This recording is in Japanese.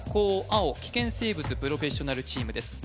青危険生物プロフェッショナルチームです